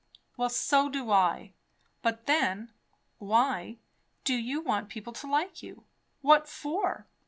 "Well, so do I. But then why do you want people to like you? What for?"